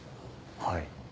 はい。